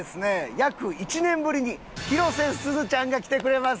約１年ぶりに広瀬すずちゃんが来てくれます！